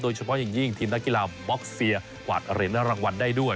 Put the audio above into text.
เฉพาะอย่างยิ่งทีมนักกีฬาบ็อกเซียกวาดเหรียญรางวัลได้ด้วย